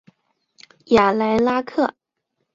雅莱拉克。